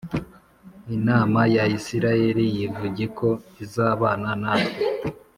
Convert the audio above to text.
Imana ya Isirayeli yivugiko izabana natwe